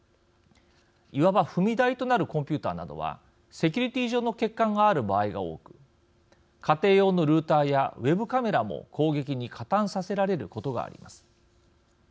いわば踏み台となるコンピューターなどはセキュリティー上の欠陥がある場合が多く家庭用のルーターやＷＥＢカメラも攻撃に加担させられることがあります。